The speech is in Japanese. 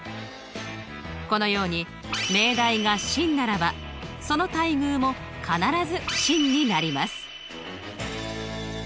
このように命題が真ならばその対偶も必ず真になります。